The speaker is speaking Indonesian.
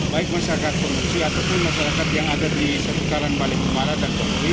baik masyarakat pemusi ataupun masyarakat yang ada di sekutaran balikbemara dan bahawai